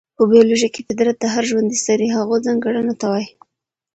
په بيالوژي کې فطرت د هر ژوندي سري هغو ځانګړنو ته وايي،